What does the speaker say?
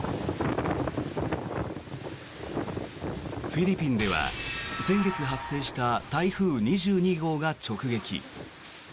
フィリピンでは先月発生した台風２２号が直撃。